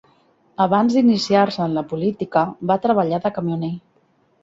Abans d'iniciar-se en la política, va treballar de camioner.